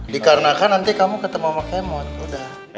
dikarenakan nanti kamu ketemu pake mod udah